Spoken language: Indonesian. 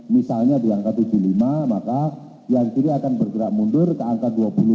misalnya di angka tujuh puluh lima maka yang kiri akan bergerak mundur ke angka dua puluh lima